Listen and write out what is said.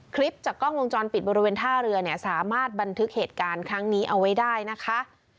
คลิปจากกล้องวงจรปิดบริเวณท่าเรือเนี่ยสามารถบันทึกเหตุการณ์ครั้งนี้เอาไว้ได้นะคะ